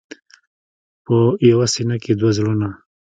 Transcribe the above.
په یوه سینه کې دوه زړونه.